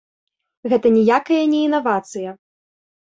Гэта ніякая не інавацыя!